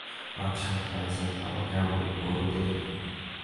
আচ্ছা, নাইজেল, আমাকে আমোদিত করুন তো দেখি।